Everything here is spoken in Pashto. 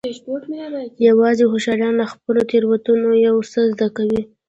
یوازې هوښیاران له خپلو تېروتنو یو څه زده کوي.